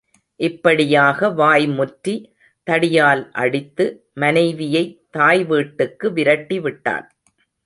இப்படியாக வாய் முற்றி, தடியால் அடித்து, மனைவியைத் தாய் வீட்டுக்கு விரட்டிவிட்டான்.